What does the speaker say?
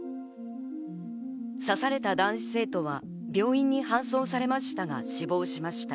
刺された男子生徒は病院に搬送されましたが死亡しました。